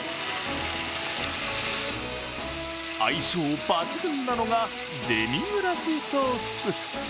相性抜群なのがデミグラスソース。